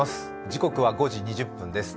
時刻は５時２０分です。